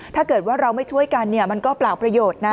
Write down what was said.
ถ้าเกิดว่าเราไม่ช่วยกันมันก็เปล่าประโยชน์นะ